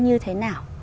như thế nào